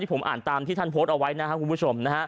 ผมอ่านตามที่ท่านโพสต์เอาไว้นะครับคุณผู้ชมนะฮะ